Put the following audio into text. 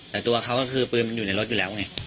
แต่ตัวเขาก็คือปืนมันอยู่ในรถอยู่แล้วไง